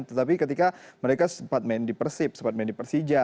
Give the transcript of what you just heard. tetapi ketika mereka sempat main di persib sempat main di persija